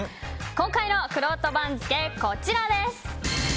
今回のくろうと番付こちらです。